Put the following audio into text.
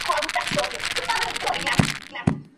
Es parecida a la salsa empleada en el "gado-gado".